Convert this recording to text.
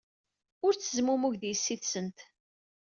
Ur ttezmumug ed yessi-tsent.